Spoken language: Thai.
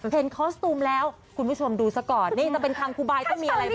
เพลงโคสตูมแล้วคุณผู้ชมดูสักก่อนนี่ถ้าเป็นคังกูบายเท็มก็มีอะไรบ้าง